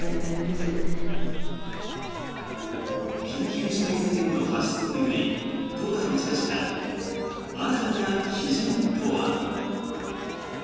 緊急事態宣言の発出を巡り都が打ち出した新たな基準とは。